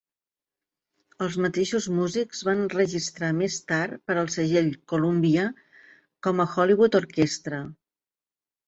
Els mateixos músics van enregistrar més tard per al segell Columbia com a Hollywood Orchestra.